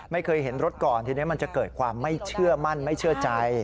ไม่เคยเห็นรถก่อนทีนี้มันจะเกิดความไม่เชื่อมั่นไม่เชื่อใจ